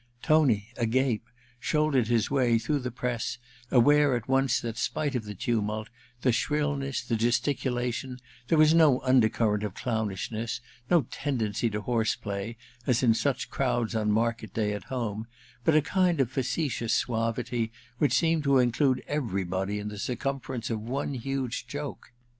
Tony, agape, shouldered his way through the press, aware at once that, spite of the tumult, the shrillness, the gesticulation, there was no under current of clownishness, no tendency to horse play, as in such crowds on market day at home, but a kind of facetious suavity which seemed to include everybody in the circumference of one huge joke.